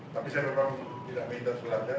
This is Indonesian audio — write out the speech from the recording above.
tapi saya memang tidak meminta suratnya